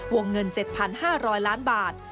วงเงิน๗๕๐๐ล้านบาท